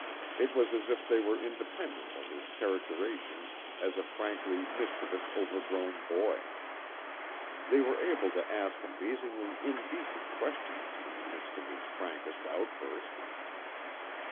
It was as if they were independent of his characterization as a frankly mischievous overgrown boy. They were able to ask amazingly indecent questions in the midst of his frankest outbursts.